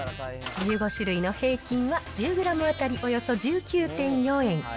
１５種類の平均は、１０グラム当たりおよそ１９．４円。